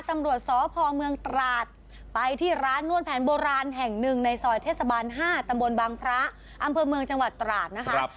ตำรวจสพเมืองตราดไปที่ร้านนวดแผนโบราณแห่งหนึ่งในซอยเทศบาล๕ตำบลบางพระอำเภอเมืองจังหวัดตราดนะคะ